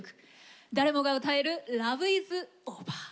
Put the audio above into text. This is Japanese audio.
誰もが歌える「ラヴ・イズ・オーヴァー」。